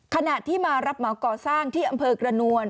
ขณะที่มารับเหมาก่อสร้างที่อำเภอกระนวล